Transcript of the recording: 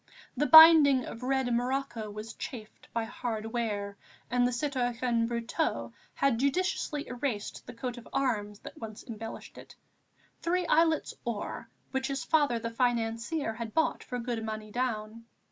The binding of red morocco was chafed by hard wear, and the citoyen Brotteaux had judiciously erased the coat of arms that once embellished it, three islets or, which his father the financier had bought for good money down.